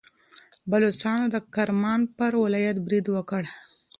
بلوڅانو د کرمان پر ولایت برید وکړ.